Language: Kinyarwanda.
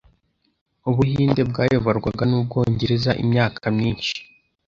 Ubuhinde bwayoborwaga n’Ubwongereza imyaka myinshi.